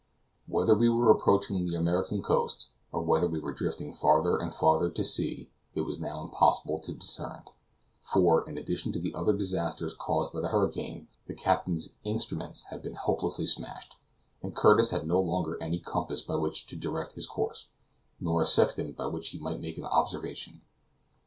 Whether we were approaching the American coast, or whether we were drifting farther and farther to sea, it was now impossible to determine, for, in addition to the other disasters caused by the hurricane, the captain's instruments had been hopelessly smashed, and Curtis had no longer any compass by which to direct his course, nor a sextant by which he might make an observation.